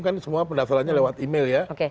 kan semua pendaftarannya lewat email ya